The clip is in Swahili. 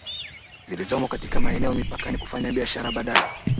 zilizomo katika maeneo mipakani kufanya biashara badala